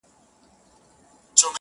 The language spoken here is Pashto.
تر څو به نوي جوړوو زاړه ښارونه سوځو؟-